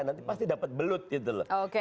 nanti pasti dapat belut gitu loh